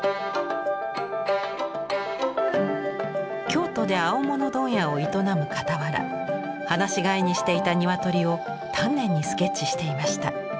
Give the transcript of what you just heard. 京都で青物問屋を営むかたわら放し飼いにしていた鶏を丹念にスケッチしていました。